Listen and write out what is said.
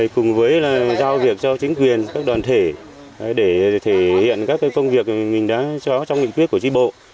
cùng với là giao việc cho chính quyền các đoàn thể để thể hiện các công việc mình đã cho trong lịch quyết của trí bộ